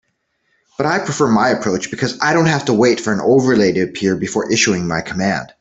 But I prefer my approach because I don't have to wait for an overlay to appear before issuing my command.